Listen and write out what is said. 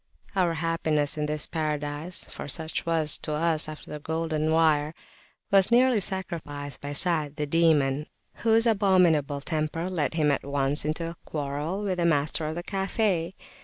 Our happiness in this Paradise for such it was to us after the "Golden Wire" was nearly sacrificed by Sa'ad the Demon, whose abominable temper led him at once into a quarrel with the master of the cafe.